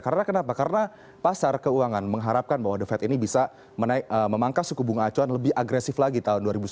karena kenapa karena pasar keuangan mengharapkan bahwa the fed ini bisa memangkas suku bunga acuan lebih agresif lagi tahun dua ribu sembilan belas